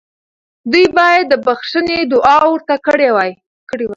دوی باید د بخښنې دعا ورته کړې وای.